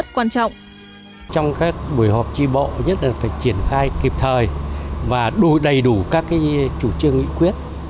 trong các buổi họp tri bộ nhất là phải triển khai kịp thời và đủ đầy đủ các chủ trương nghị quyết